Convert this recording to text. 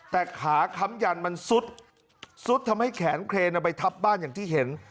แต่ขาค้ำยันมันซุดซุดทำให้แขนเครนไปทับบ้านอย่างที่เห็น